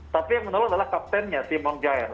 tapi yang menolong adalah kaptennya timon jair